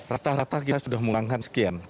rata rata kita sudah mengulangkan sekian